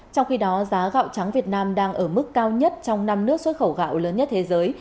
trong khi đó giá gạo trắng việt nam đang ở mức cao nhất trong năm nước xuất khẩu gạo lớn nhất thế giới